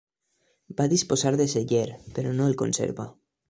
Va disposar de celler, però no el conserva.